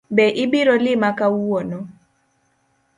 Be ibiro lima kawuono?